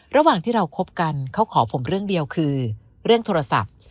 ระหว่างที่เราคบกันเขาขอผมเรื่องเดียวคือเรื่องโทรศัพท์